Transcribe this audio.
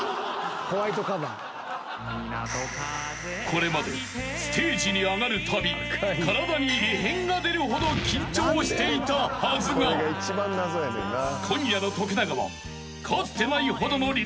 ［これまでステージに上がるたび体に異変が出るほど緊張していたはずが今夜の徳永は］